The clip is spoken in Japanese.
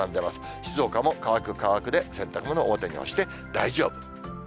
静岡も乾く、乾くで、洗濯物表に干して大丈夫。